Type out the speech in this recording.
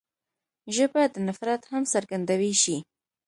ژبه د نفرت هم څرګندوی شي